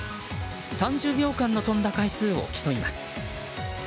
３０秒間の跳んだ回数を競います。